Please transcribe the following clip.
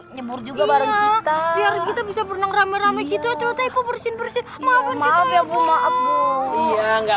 nyebur juga bareng kita bisa pernah rame rame gitu bersin bersin maaf ya bu maaf bu ya enggak